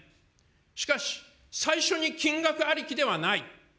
しかし、最初に金額ありきではない。